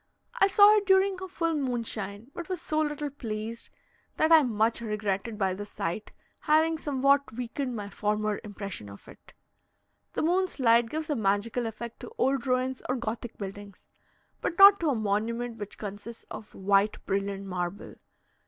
I saw it during a full moonshine, but was so little pleased, that I much regretted, by this sight, having somewhat weakened my former impression of it. The moon's light gives a magical effect to old ruins or Gothic buildings, but not to a monument which consists of white brilliant marble.